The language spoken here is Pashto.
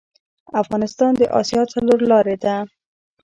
افغانستان د اسیا څلور لارې ده